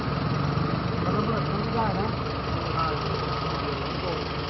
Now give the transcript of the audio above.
ขอบคุณครับ